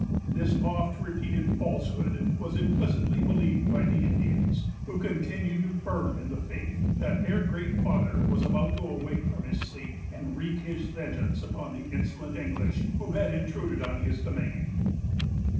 This oft repeated falsehood was implicitly believed by the Indians, who continued firm in the faith that their Great Father was about to awake from his sleep, and wreak his vengeance upon the insolent English, who had intruded on his domain.